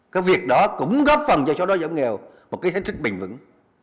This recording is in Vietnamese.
cái việc đó cũng góp phần cho cho đói giảm nghèo một cái thế thức bình vững